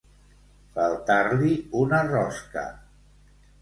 Faltar-li una rosca.